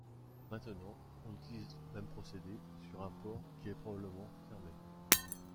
Maintenant, on utilise le même procédé sur un port qui est probablement fermé.